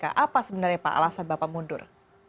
apa sebenarnya pak alasan bapak mundur